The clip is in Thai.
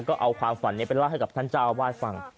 ก็เอาความฝันนี้ไปเล่าให้กับท่านเจ้าอาวาสฟัง